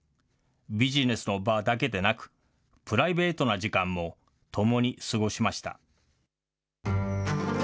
ビジネスの場だけでなく、プライベートな時間も共に過ごしました。